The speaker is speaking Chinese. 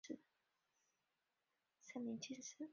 乾隆十三年戊辰科一甲第三名进士。